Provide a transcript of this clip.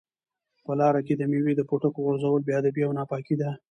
په لاره کې د مېوې د پوټکو غورځول بې ادبي او ناپاکي ده.